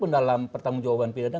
dalam pertanggung jawaban